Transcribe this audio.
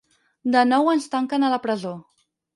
De nou ens tanquen a la presó.